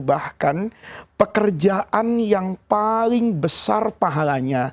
bahkan pekerjaan yang paling besar pahalanya